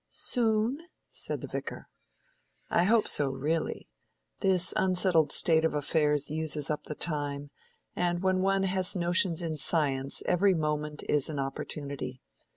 "Soon?" said the Vicar. "I hope so, really. This unsettled state of affairs uses up the time, and when one has notions in science, every moment is an opportunity.